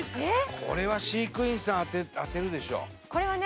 これは飼育員さん当てるでしょうこれはね